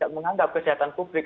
menganggap kesehatan publik